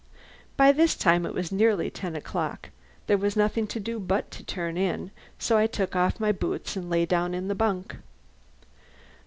By this time it was nearly ten o'clock. There was nothing to do but turn in, so I took off my boots and lay down in the bunk.